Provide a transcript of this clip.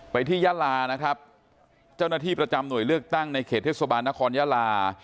ที่ยาลานะครับเจ้าหน้าที่ประจำหน่วยเลือกตั้งในเขตเทศบาลนครยาลา